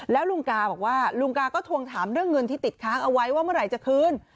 แล้วลุงกาบอกว่าลุงกาก็ทวงถามเรื่องเงินที่ติดค้างเอาไว้ว่าเมื่อไหร่จะคืน